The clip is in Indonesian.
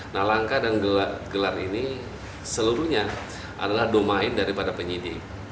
nah langkah dan gelar ini seluruhnya adalah domain daripada penyidik